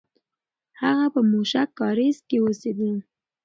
هغه په موشک کارېز کې اوسېده.